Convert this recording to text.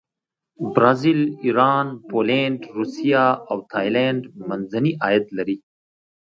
برازیل، ایران، پولینډ، روسیه او تایلنډ منځني عاید لري.